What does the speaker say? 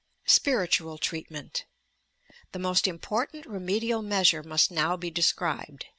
SPIRITUAL TREIATMENT The most important remedial measure must now be described.